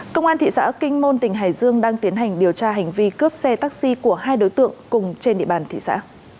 công an thị xã kinh môn tỉnh hải dương đang tiến hành điều tra hành vi cướp xe taxi của hai đối tượng cùng trên địa bàn thị xã